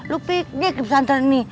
lo piknik di pesantren ini